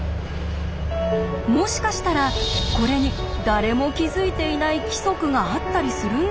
もしかしたらこれに誰も気付いていない規則があったりするんでしょうか？